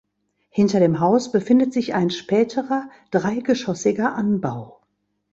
Hinter dem Haus befindet sich ein späterer, dreigeschossiger Anbau.